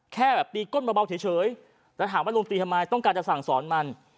แค่แบบตีก้นเบาเฉยแล้วถามว่าลุงตีทำไมต้องการจะสั่งสอนมัน